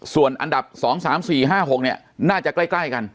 ส่วนอันดับ๒๓๔๕๖น่าจะใกล้กัน